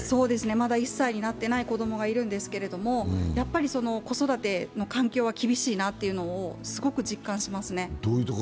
まだ１歳になってない子供がいるんですけれども子育ての環境は厳しいなというのをすごく実感しますね。